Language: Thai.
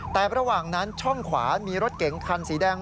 แต่ระหว่างนั้นช่องขวามีรถเก๋งคันสีแดง